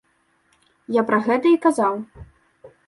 Я пра гэта і казаў.